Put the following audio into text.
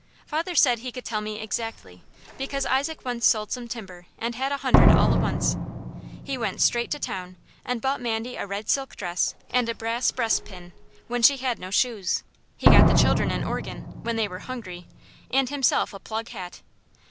Father said he could tell me exactly, because Isaac once sold some timber and had a hundred all at once. He went straight to town and bought Mandy a red silk dress and a brass breastpin, when she had no shoes. He got the children an organ, when they were hungry; and himself a plug hat.